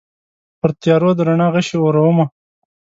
پرتیارو د رڼا غشي اورومه